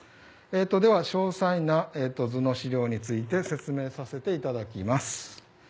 では、詳細な図の資料について説明させていただきます。